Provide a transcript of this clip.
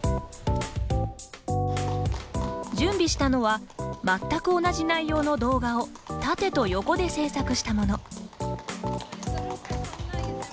準備したのは、全く同じ内容の動画を縦と横で制作したもの。